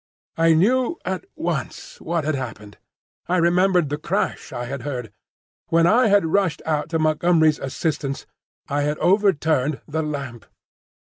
I knew at once what had happened. I remembered the crash I had heard. When I had rushed out to Montgomery's assistance, I had overturned the lamp.